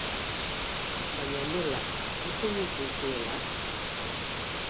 Baina nola, Bizumik ez duela?